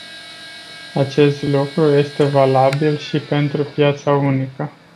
Acest lucru este valabil și pentru piața unică.